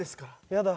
やだ。